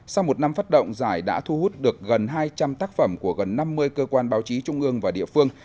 sau một năm phát động giải đã thu hút được gần hai trăm linh tác phẩm của gần năm mươi cơ quan báo chí trung ương và địa phương